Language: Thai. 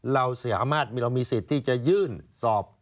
เราสามารถเรามีสิทธิ์ที่จะยื่นสอบ